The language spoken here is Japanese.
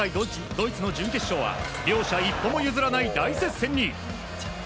ドイツの準決勝は両者一歩も譲らない大接戦に。